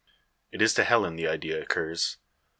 It is to Helen the idea occurs.